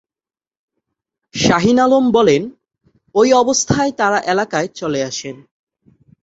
শাহীন আলম বলেন, ওই অবস্থায় তাঁরা এলাকায় চলে আসেন।